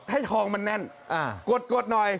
ให้ทองมันแน่นกดหน่อย